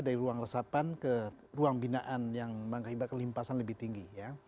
dari ruang resapan ke ruang binaan yang mengakibat kelimpasan lebih tinggi